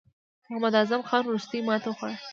محمد اعظم خان وروستۍ ماته وخوړه.